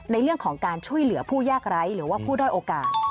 ในเรื่องของการช่วยเหลือผู้ยากไร้หรือว่าผู้ด้อยโอกาส